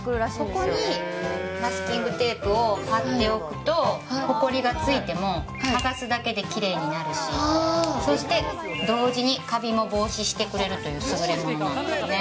ここにマスキングテープを貼っておくと、ほこりがついても、剥がすだけできれいになるし、そして同時にカビも防止してくれるという優れものなんですよね。